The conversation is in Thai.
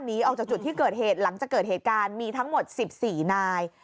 หนีออกจากจุดที่เกิดเหตุหลังจากเกิดเหตุการณ์มีทั้งหมด๑๔นาย